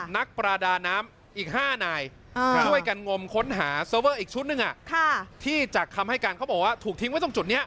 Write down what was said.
นักประดาน้ำอีก๕นายช่วยกันงมค้นหาเซอร์เวอร์อีกชุดหนึ่งที่จากคำให้การเขาบอกว่าถูกทิ้งไว้ตรงจุดนี้